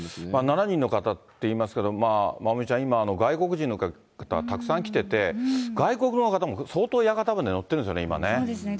７人の方っていいますけど、まおみちゃん、今、外国人の方、たくさん来てて、外国の方も相当屋形船、そうですね。